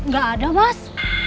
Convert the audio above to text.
gak ada mas